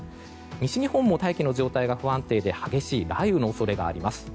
西日本も大気の状態が不安定で激しい雷雨の恐れがあります。